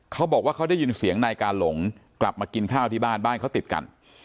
เขาบอกว่าเขาได้ยินเสียงนายกาหลงกลับมากินข้าวที่บ้านบ้านเขาติดกัน